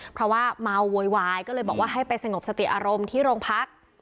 เพราะว่าเมาโวยวายก็เลยบอกว่าให้ไปสงบสติอารมณ์ที่โรงพัก